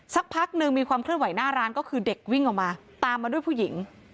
สักพักหนึ่งมีความเคลื่อนไหวหน้าร้านก็คือเด็กวิ่งออกมาตามมาด้วยผู้หญิง